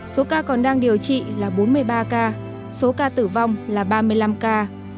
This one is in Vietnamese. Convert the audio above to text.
số ca còn đang điều trị là bốn mươi ba ca số ca tử vong là ba mươi năm ca